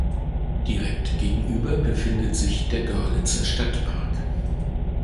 Direkt gegenüber befindet sich der Görlitzer Stadtpark.